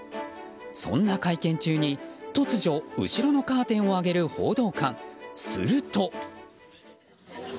そんな会見中に突如後ろのカーテンを上げる報道官。